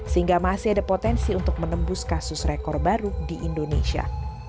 sehingga masih ada potensi untuk menembus kasus rekor baru di indonesia